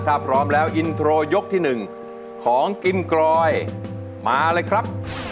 ถ้าพร้อมแล้วอินโทรยกที่๑ของกิมกรอยมาเลยครับ